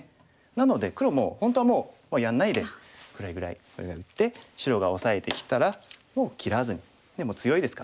なので黒も本当はもうやらないでこれぐらいに打って白がオサえてきたらもう切らずにもう強いですから。